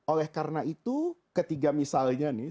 oleh karena itu ketiga misalnya nih